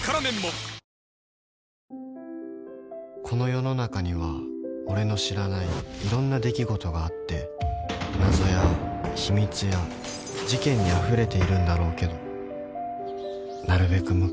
［この世の中には俺の知らないいろんな出来事があって謎や秘密や事件にあふれているんだろうけどなるべく